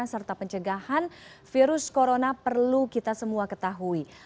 serta pencegahan virus corona perlu kita semua ketahui